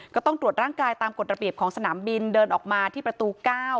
ก็ต้องตรวจร่างกายตามกฎระเบียบของสนามบินเดินออกมาที่ประตู๙